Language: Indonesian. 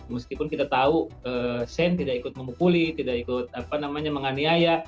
meskipun kita tahu sen tidak ikut memukuli tidak ikut apa namanya menganiaya